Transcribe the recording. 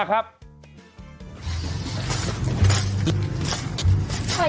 จัดกระบวนพร้อมกัน